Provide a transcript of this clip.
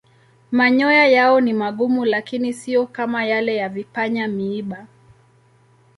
Manyoya yao ni magumu lakini siyo kama yale ya vipanya-miiba.